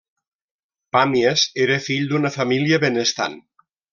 Pàmies era fill d'una família benestant.